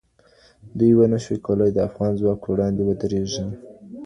دوی ونه شو کولای د افغان ځواک په وړاندې ودریږي.